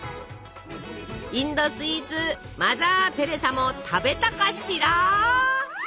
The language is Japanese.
インドスイーツマザー・テレサも食べたかしら！